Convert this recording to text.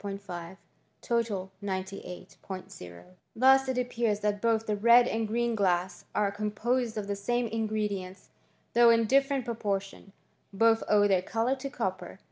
5*5 98 Ot Thus it appears that both the red and green glass are composed of the same ingredients, though in different proportions. Both owe their colour to copper.